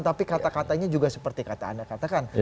tapi kata katanya juga seperti kata anda katakan